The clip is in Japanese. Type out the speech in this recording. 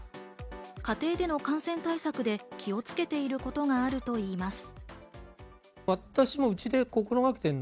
家庭での感染対策で気をつけていることがあるといいます。